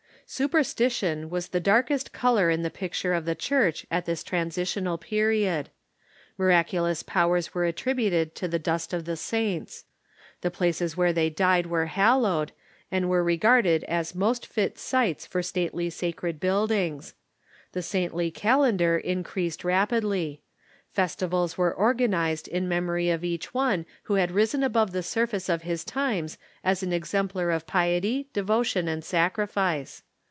Superstition was the darkest color in the picture of the Church at this transitional period. Miraculous powers were attributed to the dust of the saints. The places Avhere they died were hallowed, and were regarded as most fit sites for stately sacred buildings. The saintly cal endar increased rapidly. Festivals were organized in memory of each one who had risen above the surface of his times as an exemplar of piety, devotion, and sacrifice.